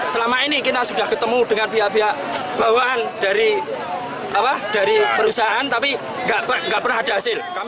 selama ini kita sudah ketemu dengan pihak pihak bawaan dari perusahaan tapi nggak pernah ada hasil